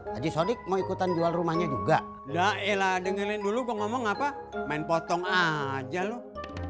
haji sodik mau ikutan jual rumahnya juga udah ela dengerin dulu gue ngomong apa main potong aja loh